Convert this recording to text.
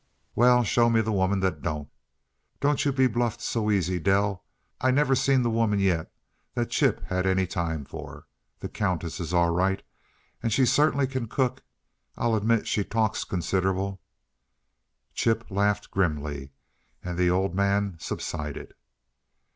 "Well, show me the woman that don't! Don't you be bluffed so easy, Dell. I never seen the woman yet that Chip had any time for. The Countess is all right, and she certainly can cook! I admit she talks consider'ble " Chip laughed grimly, and the Old Man subsided.